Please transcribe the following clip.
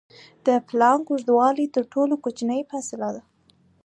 د پلانک اوږدوالی تر ټولو کوچنۍ فاصلې ده.